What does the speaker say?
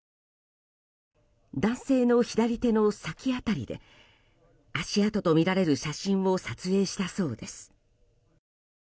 男性の左手の先辺りで足跡とみられる写真を撮影したそうです。